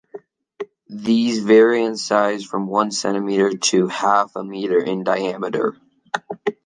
These vary in size from one centimetre to half a meter in diameter.